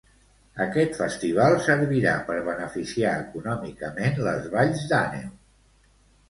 Aquest festival servirà per beneficiar econòmicament les Valls d'Àneu.